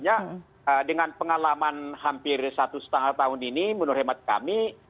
jadi artinya dengan pengalaman hampir satu setengah tahun ini menurut hemat kami